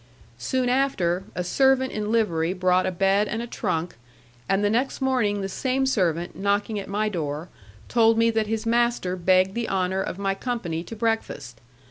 Soon after, a servant in livery brought a bed and a trunk, and the next morning the same servant, knocking at my door, told me that his master begged the honour of my company to breakfast.